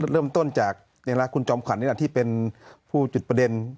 เริ่มต้นจากคุณจอมขวัญนี่แหละที่เป็นผู้จุดประเด็น